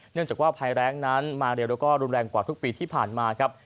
เนื่องจากว่าภัยแรงนั้นมาเร็วแล้วก็รุนแรงกว่าทุกปีที่ผ่านมาครับ